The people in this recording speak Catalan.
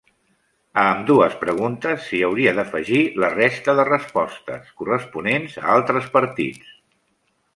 A ambdues preguntes s'hi hauria d'afegir la resta de respostes, corresponents a altres partits.